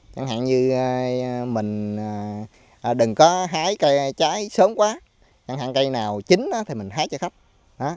chẳng hạn như mình đừng có hái cây trái sớm quá chẳng hạn cây nào chín thì mình hái cho khách